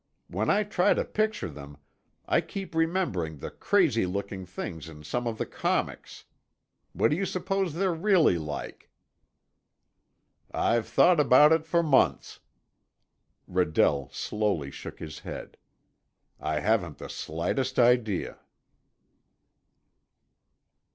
"When I try to picture them, I keep remembering the crazy looking things in some of the comics. What do you suppose they're really like?" "I've thought about it for months." Redell slowly shook his head. "I haven't the slightest idea."